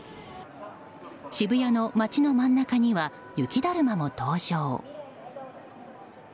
渋谷の街の真ん中には雪だるまも登場。